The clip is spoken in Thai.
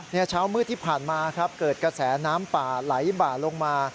เช้ามืดที่ผ่านมาครับเกิดกระแสน้ำป่าไหลบ่าลงมา